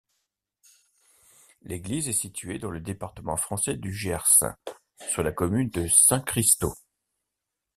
L'église est située dans le département français du Gers, sur la commune de Saint-Christaud.